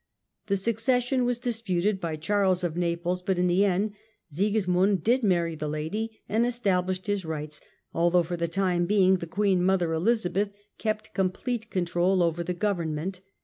The succession was dis iicSou P^^sd by Charles of Naples, but in the end Sigismund did marry the lady and established his rights, although Sigismund, for the time being the Queen mother Elizabeth kept Hun at ' complete control over the government.